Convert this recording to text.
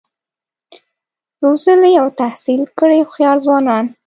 روزلي او تحصیل کړي هوښیار ځوانان